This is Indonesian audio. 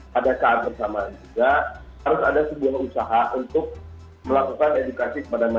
pada saat bersamaan juga harus ada sebuah usaha untuk melakukan edukasi kepada masyarakat